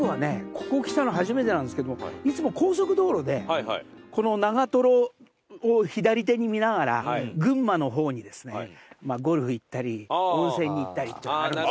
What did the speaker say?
ここ来たの初めてなんですけどもいつも高速道路でこの長瀞を左手に見ながら群馬の方にゴルフ行ったり温泉に行ったりっていうのがあるんです。